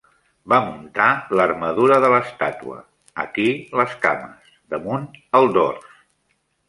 Va muntar l'armadura de l'estàtua, aquí les cames, damunt el dors